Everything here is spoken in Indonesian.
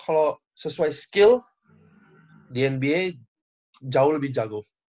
kalau sesuai skill di nba jauh lebih jago